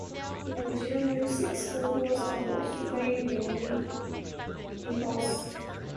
The original music score was composed by Lennie Niehaus.